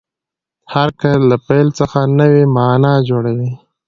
هر قید له فعل څخه نوې مانا جوړوي.